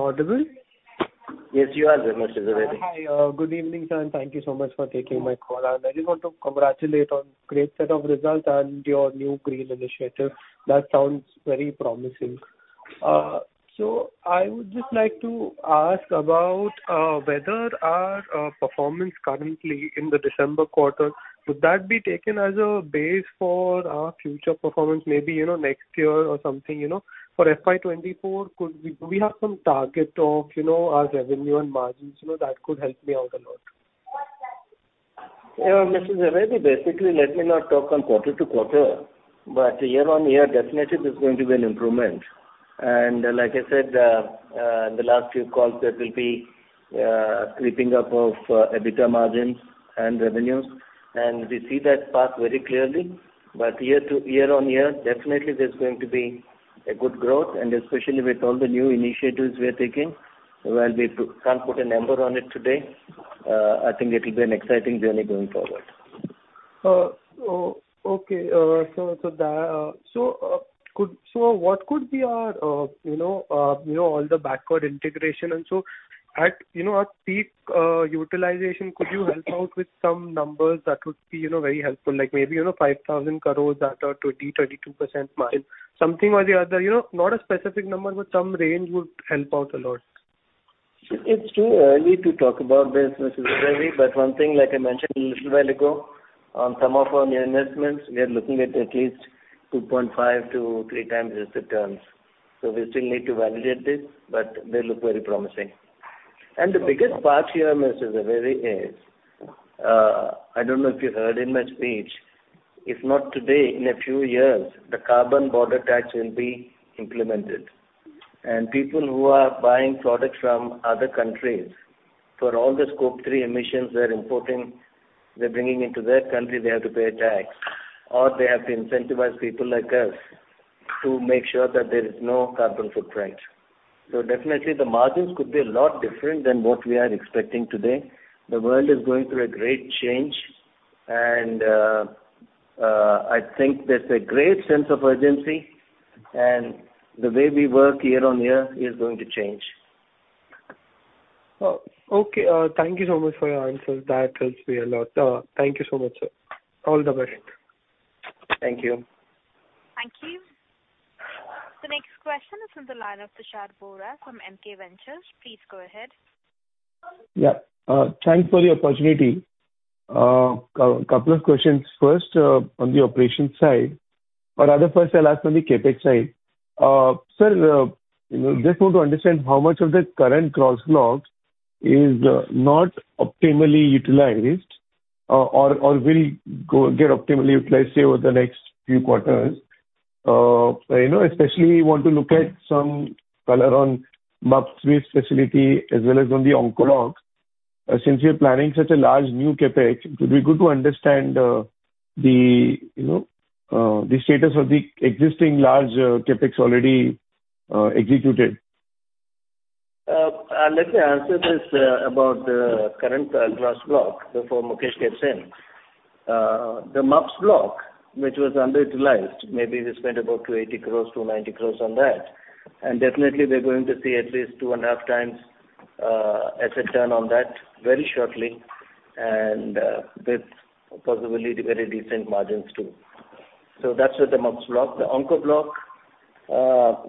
audible? Yes, you are, Mr. Jhaveri. Hi. Good evening, sir. Thank you so much for taking my call. I just want to congratulate on great set of results and your new green initiative. That sounds very promising. I would just like to ask about, whether our, performance currently in the December quarter, could that be taken as a base for our future performance, maybe, you know, next year or something, you know? For FY 2024, could we, do we have some target of, you know, our revenue and margins, you know, that could help me out a lot? Yeah, Mr. Jhaveri, basically, let me not talk on quarter-to-quarter, but year-on-year definitely there's going to be an improvement. Like I said, in the last few calls, there will be creeping up of EBITDA margins and revenues. We see that path very clearly. Year-on-year, definitely there's going to be a good growth, and especially with all the new initiatives we are taking. While we can't put a number on it today, I think it will be an exciting journey going forward. Okay. What could be our, you know, you know, all the backward integration and so at, you know, at peak utilization, could you help out with some numbers that would be, you know, very helpful, like maybe, you know, 5,000 crores at a 20%-22% margin? Something or the other, you know, not a specific number, some range would help out a lot. It's too early to talk about this, Mr. Jhaveri. One thing, like I mentioned a little while ago, on some of our new investments, we are looking at least 2.5-3x risk returns. We still need to validate this, but they look very promising. The biggest part here, Mr. Jhaveri, is I don't know if you heard in my speech, if not today, in a few years, the carbon border tax will be implemented. People who are buying products from other countries, for all the Scope 3 emissions they're importing, they're bringing into their country, they have to pay a tax, or they have to incentivize people like us to make sure that there is no carbon footprint. Definitely the margins could be a lot different than what we are expecting today. The world is going through a great change and, I think there's a great sense of urgency and the way we work year on year is going to change. Okay. Thank you so much for your answers. That helps me a lot. Thank you so much, sir. All the best. Thank you. Thank you. The next question is on the line of Tushar Bohra from MK Ventures. Please go ahead. Yeah. Thanks for the opportunity. Couple of questions. First, on the operations side, or rather first I'll ask on the CapEx side. Sir, you know, just want to understand how much of the current cross blocks is not optimally utilized, or will go, get optimally utilized, say, over the next few quarters. You know, especially want to look at some color on MABS waste facility as well as on the Onco blocks. Since you're planning such a large new CapEx, it'd be good to understand the, you know, the status of the existing large CapEx already executed. Let me answer this about the current cross block for Mukesh gets in. The MABS block, which was underutilized, maybe we spent about 280 crores, 290 crores on that. Definitely we're going to see at least 2.5x as a turn on that very shortly. With possibly very decent margins too. That's with the MUPS block. The Onco block,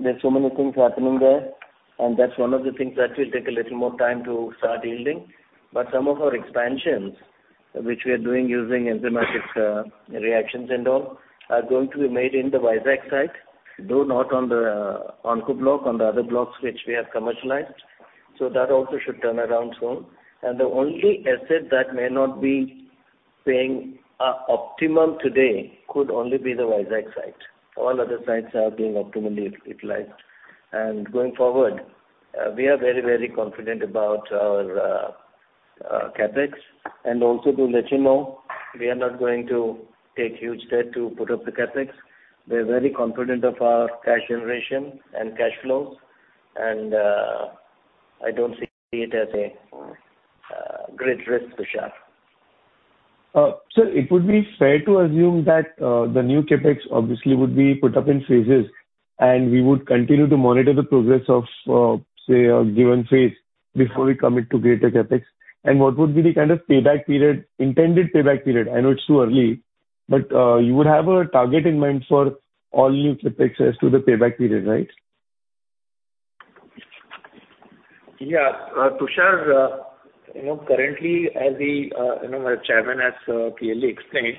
there's so many things happening there, and that's one of the things that will take a little more time to start yielding. Some of our expansions, which we are doing using enzymatic reactions and all, are going to be made in the Vizag site, though not on the Onco block, on the other blocks which we have commercialized. That also should turn around soon. The only asset that may not be paying, optimum today could only be the Vizag site. All other sites are being optimally utilized. Going forward, we are very, very confident about our CapEx. Also to let you know, we are not going to take huge debt to put up the CapEx. We're very confident of our cash generation and cash flows, I don't see it as a great risk, Tushar. It would be fair to assume that the new CapEx obviously would be put up in phases, and we would continue to monitor the progress of, say, a given phase before we commit to greater CapEx. What would be the kind of payback period, intended payback period? I know it's too early, but you would have a target in mind for all new CapEx as to the payback period, right? Yeah. Tushar, you know, currently, as we, you know, our Chairman has clearly explained,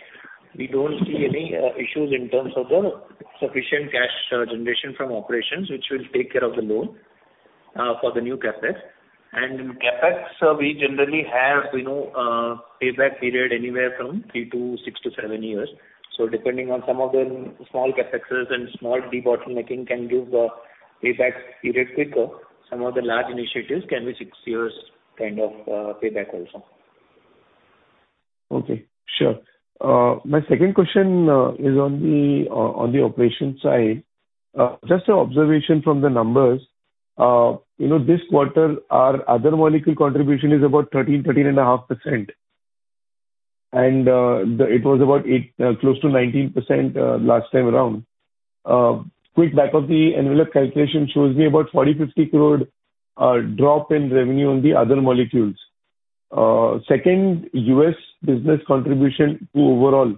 we don't see any issues in terms of the sufficient cash generation from operations, which will take care of the loan for the new CapEx. CapEx, we generally have, you know, payback period anywhere from three to six to seven years. Depending on some of the small CapExes and small debottlenecking can give paybacks period quicker. Some of the large initiatives can be six years kind of payback also. Okay, sure. My second question is on the operations side. Just an observation from the numbers. you know, this quarter, our other molecule contribution is about 13.5%. It was about close to 19% last time around. Quick back-of-the-envelope calculation shows me about 40-50 crore drop in revenue on the other molecules. Second, U.S. business contribution to overall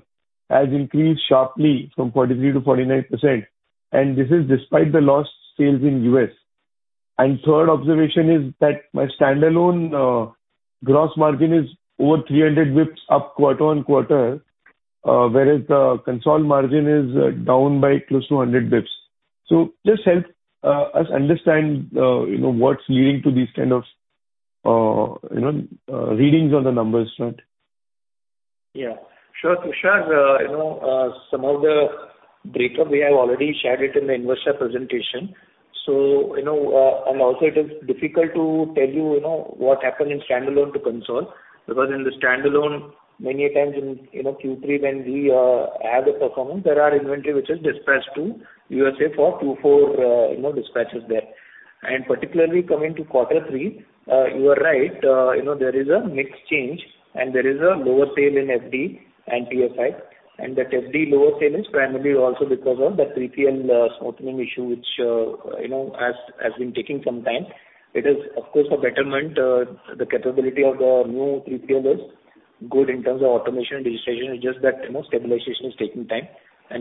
has increased sharply from 43%-49%, this is despite the lost sales in U.S. Third observation is that my standalone gross margin is over 300 basis points up quarter-on-quarter, whereas the consol margin is down by close to 100 basis points. Just help us understand, you know, what's leading to these kind of, you know, readings on the numbers, right? Yeah. Sure, Tushar. you know, some of the breakup, we have already shared it in the investor presentation. It is difficult to tell you know, what happened in standalone to consol, because in the standalone, many a times in, you know, Q3, when we add the performance, there are inventory which is dispatched to USA for Q4, you know, dispatches there. Particularly coming to quarter three, you are right. you know, there is a mix change, and there is a lower sale in FD and PFI. That FD lower sale is primarily also because of the 3PL smoothening issue, which, you know, has been taking some time. It is, of course, for betterment. The capability of the new 3PL is good in terms of automation and digitization. It's just that, you know, stabilization is taking time.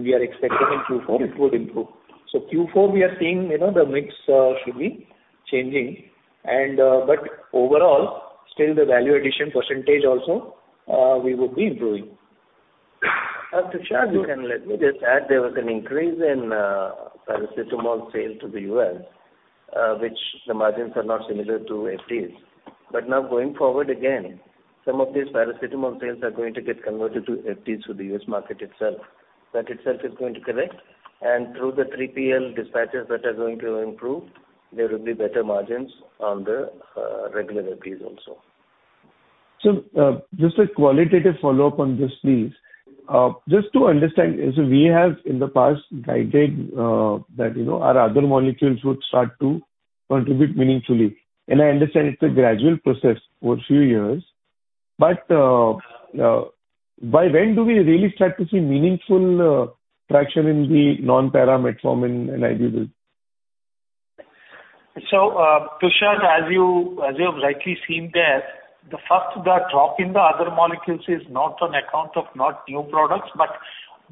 We are expecting in Q4 it would improve. Q4 we are seeing, you know, the mix should be changing. Overall still the value addition percentage also we would be improving. Tushar, you can let me just add, there was an increase in paracetamol sale to the U.S., which the margins are not similar to FDs. Now going forward again, some of these paracetamol sales are going to get converted to FDs to the U.S. market itself. That itself is going to correct. Through the 3PL dispatches that are going to improve, there will be better margins on the regular FDs also. Just a qualitative follow-up on this, please. Just to understand, as we have in the past guided, that, you know, our other molecules would start to contribute meaningfully, and I understand it's a gradual process over a few years, but by when do we really start to see meaningful traction in the non-para metformin, in IV biz? Tushar, as you have rightly seen there, the first, the drop in the other molecules is not on account of not new products, but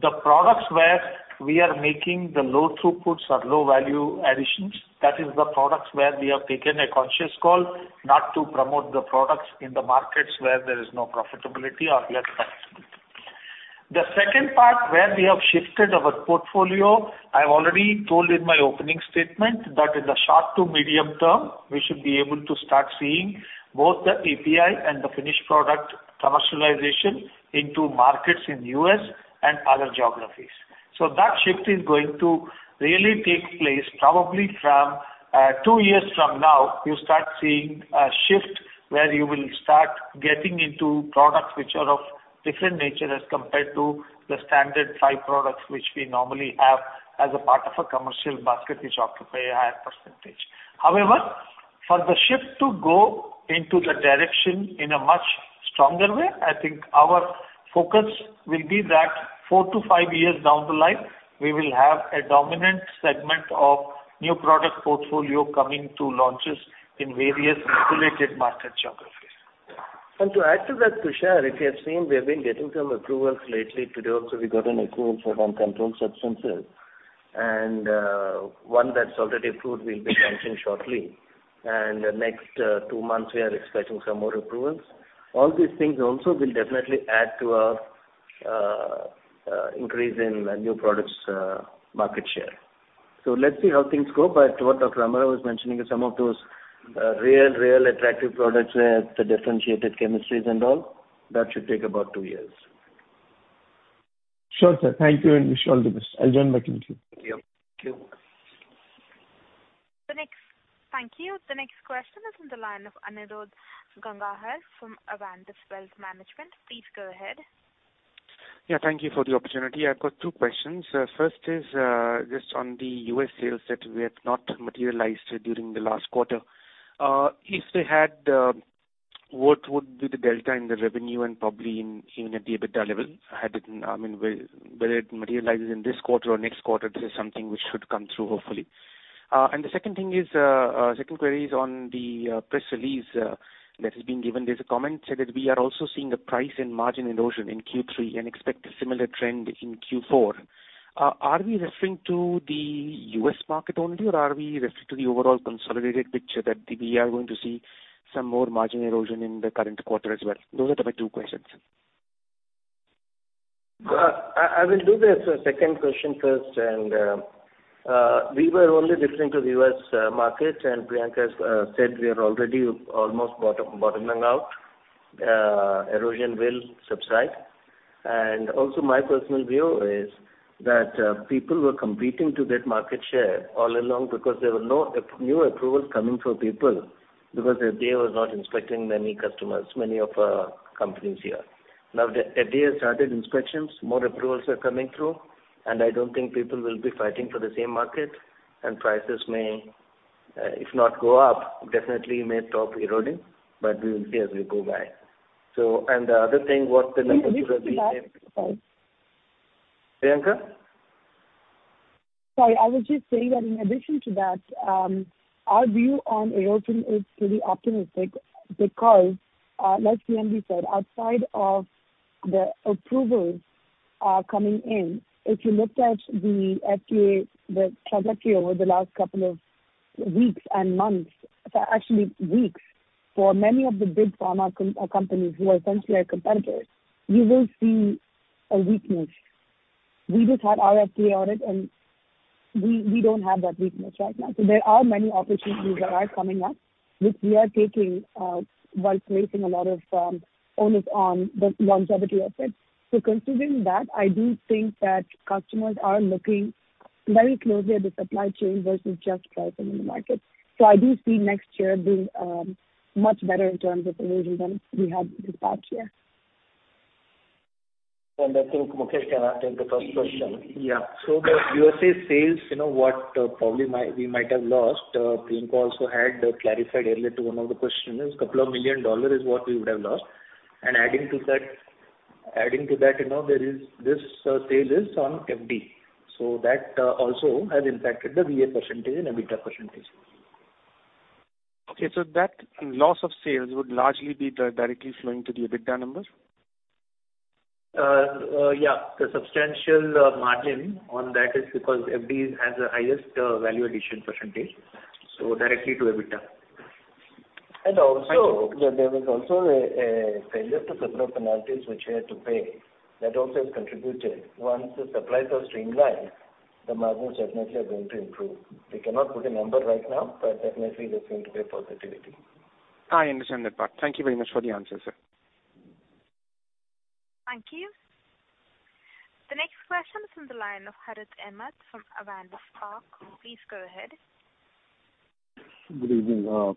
the products where we are making the low throughputs or low value additions. That is the products where we have taken a conscious call not to promote the products in the markets where there is no profitability or less profitability. The second part, where we have shifted our portfolio, I already told in my opening statement that in the short to medium term, we should be able to start seeing both the API and the finished product commercialization into markets in U.S. and other geographies. That shift is going to really take place probably from two years from now, you start seeing a shift where you will start getting into products which are of different nature as compared to the standard five products, which we normally have as a part of a commercial basket, which occupy a higher percentage. However, for the shift to go into the direction in a much stronger way. I think our focus will be that four to five years down the line, we will have a dominant segment of new product portfolio coming to launches in various regulated market geographies. To add to that, Tushar, if you have seen, we have been getting some approvals lately. Today also we got an approval for one controlled substances, and one that's already approved will be launching shortly. The next, two months we are expecting some more approvals. All these things also will definitely add to our, increase in new products, market share. Let's see how things go. What Dr. Ram Rao was mentioning is some of those, real attractive products with the differentiated chemistries and all, that should take about two years. Sure, sir. Thank you, and wish you all the best. I'll join back in queue. Yep. Thank you. Thank you. The next question is on the line of Anirudh Gangahar from Avendus Wealth Management. Please go ahead. Yeah, thank you for the opportunity. I've got two questions. First is, just on the U.S. sales that we have not materialized during the last quarter. If they had, what would be the delta in the revenue and probably even at the EBITDA level? I hadn't, I mean, whether it materializes in this quarter or next quarter, this is something which should come through, hopefully. The second thing is, second query is on the press release that has been given. There's a comment said that we are also seeing a price and margin erosion in Q3 and expect a similar trend in Q4. Are we referring to the U.S. market only, or are we referring to the overall consolidated picture that we are going to see some more margin erosion in the current quarter as well? Those are my two questions. I will do the second question first. We were only referring to the U.S. market, Priyanka has said we are already almost bottoming out. Erosion will subside. Also, my personal view is that people were competing to get market share all along because there were no new approvals coming for people because FDA was not inspecting many customers, many of companies here. Now that FDA has started inspections, more approvals are coming through, I don't think people will be fighting for the same market and prices may, if not go up, definitely may stop eroding, but we will see as we go by. The other thing, what the numbers would be. In addition to that, sorry. Priyanka? Sorry. I was just saying that in addition to that, our view on erosion is pretty optimistic because like Dr. Krishna Prasad Chigurupati said, outside of the approvals are coming in, if you looked at the FDA, the trajectory over the last couple of weeks and months, actually weeks, for many of the big pharma companies who are essentially our competitors, you will see a weakness. We just had our FDA audit, we don't have that weakness right now. There are many opportunities that are coming up, which we are taking while placing a lot of onus on the longevity of it. Considering that, I do think that customers are looking very closely at the supply chain versus just pricing in the market. I do see next year being much better in terms of erosion than we had this past year. I think Mukesh can answer the first question. Yeah. The USA sales, you know what, we might have lost, Priyanka also had clarified earlier to one of the questioners, $2 million is what we would have lost. Adding to that, you know, there is this sale is on FD. That also has impacted the VA percentage and EBITDA percentage. Okay. That loss of sales would largely be directly flowing to the EBITDA numbers? Yeah, the substantial margin on that is because FD has the highest value addition percentage, directly to EBITDA. There was also a failure to several penalties which we had to pay. That also has contributed. Once the supplies are streamlined, the margins definitely are going to improve. We cannot put a number right now, but definitely there's going to be a positivity. I understand that part. Thank you very much for the answer, sir. Thank you. The next question is on the line of Harith Ahamed from Avendus Spark. Please go ahead. Good evening.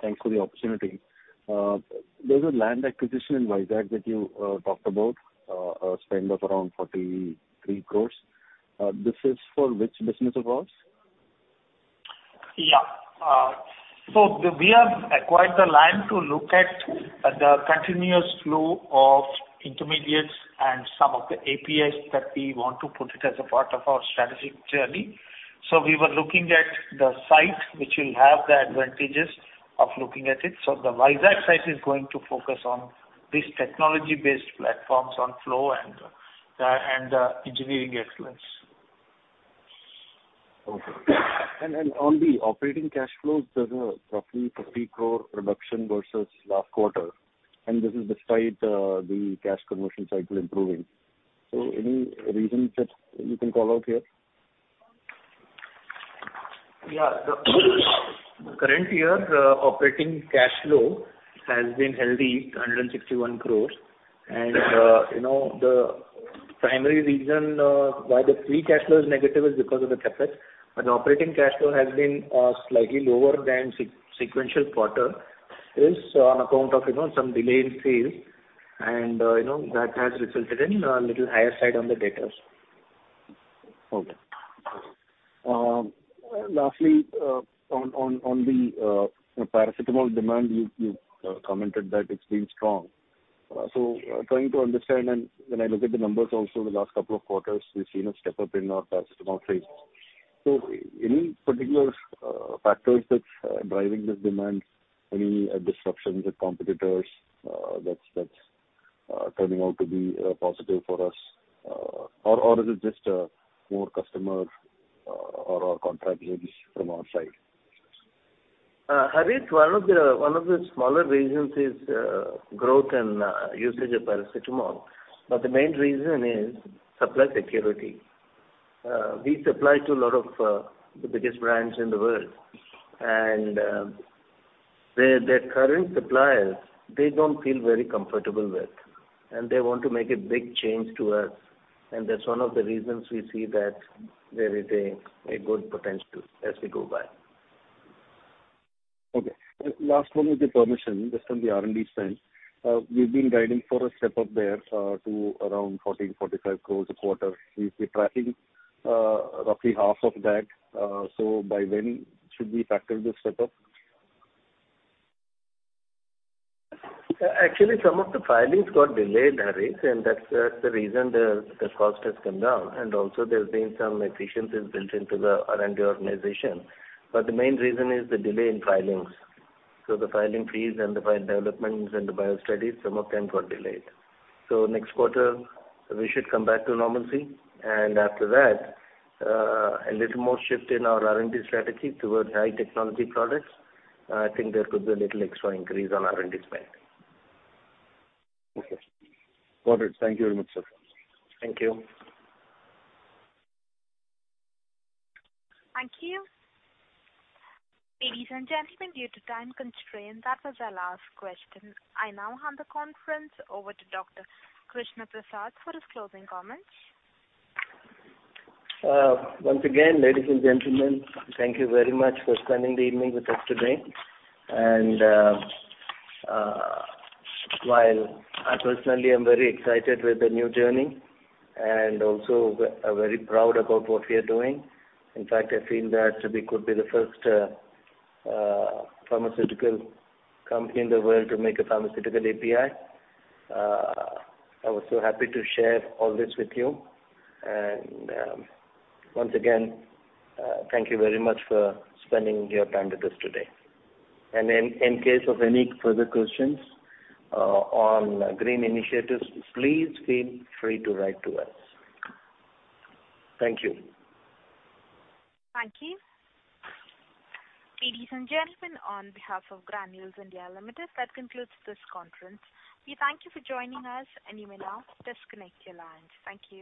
Thanks for the opportunity. There's a land acquisition in Vizag that you talked about, a spend of around 43 crores. This is for which business of ours? Yeah. We have acquired the land to look at the continuous flow of intermediates and some of the APIs that we want to put it as a part of our strategic journey. We were looking at the site which will have the advantages of looking at it. The Vizag site is going to focus on these technology-based platforms on flow and engineering excellence. Okay. On the operating cash flows, there's a roughly 50 crore reduction versus last quarter, and this is despite the cash conversion cycle improving. Any reasons that you can call out here? Yeah. The current year operating cash flow has been healthy, 161 crores. You know, the primary reason why the free cash flow is negative is because of the CapEx. Operating cash flow has been slightly lower than sequential quarter is on account of, you know, some delay in sales and, you know, that has resulted in a little higher side on the debtors. Okay. Lastly, on the paracetamol demand, you commented that it's been strong. Trying to understand and when I look at the numbers also the last couple of quarters, we've seen a step-up in our paracetamol trades. Any particular factors that's driving this demand, any disruptions with competitors, that's turning out to be positive for us? Is it just more customer or contract wins from our side? Harith, one of the smaller reasons is, growth and, usage of paracetamol. The main reason is supply security. We supply to a lot of, the biggest brands in the world, and, their current suppliers, they don't feel very comfortable with, and they want to make a big change to us. That's one of the reasons we see that there is a good potential as we go by. Okay. Last one with your permission, just on the R&D spend. We've been guiding for a step-up there, to around 14-45 crores a quarter. We've been tracking, roughly half of that. By when should we factor this step-up? Actually, some of the filings got delayed, Harith, that's the reason the cost has come down. There's been some efficiencies built into the R&D organization. The main reason is the delay in filings. The filing fees and the file developments and the bio studies, some of them got delayed. Next quarter we should come back to normalcy. After that, a little more shift in our R&D strategy towards high technology products. I think there could be a little extra increase on R&D spend. Okay. Got it. Thank you very much, sir. Thank you. Thank you. Ladies and gentlemen, due to time constraint, that was our last question. I now hand the conference over to Dr. Krishna Prasad for his closing comments. Once again, ladies and gentlemen, thank you very much for spending the evening with us today. While I personally am very excited with the new journey and also very proud about what we are doing, in fact, I feel that we could be the first pharmaceutical company in the world to make a pharmaceutical API. I was so happy to share all this with you. Once again, thank you very much for spending your time with us today. In case of any further questions on green initiatives, please feel free to write to us. Thank you. Thank you. Ladies and gentlemen, on behalf of Granules India Limited, that concludes this conference. We thank you for joining us, and you may now disconnect your lines. Thank you.